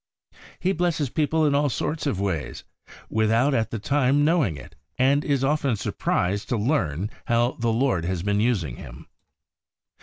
He blesses people in all sorts of ways, without at the time knowing it, and is often surprised to learn how the Lord has been using him.